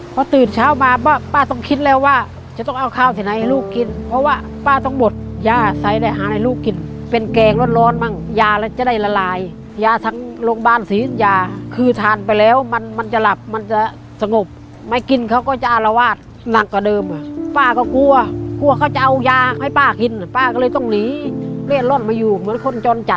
พอตื่นเช้ามาป้าป้าต้องคิดแล้วว่าจะต้องเอาข้าวที่ไหนให้ลูกกินเพราะว่าป้าต้องบดยาใส่ได้หาอะไรลูกกินเป็นแกงร้อนร้อนบ้างยาจะได้ละลายยาทั้งโรงพยาบาลศรีวิทยาคือทานไปแล้วมันมันจะหลับมันจะสงบไม่กินเขาก็จะอารวาสหนักกว่าเดิมอ่ะป้าก็กลัวกลัวเขาจะเอายาให้ป้ากินป้าก็เลยต้องหนีเล่ร่อนมาอยู่เหมือนคนจนจัด